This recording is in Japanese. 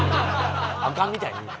アカンみたいに言うな。